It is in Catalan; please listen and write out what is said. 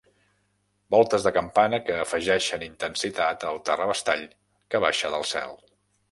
Voltes de campana que afegeixen intensitat al terrabastall que baixa del cel.